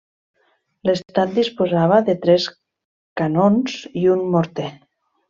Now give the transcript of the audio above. L'estat disposava de tres canons i un morter.